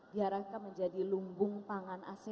biar akan menjadi lumbung pangan asean